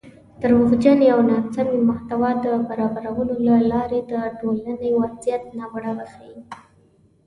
دروغجنې او ناسمې محتوا د برابرولو له لارې د ټولنۍ وضعیت ناوړه وښيي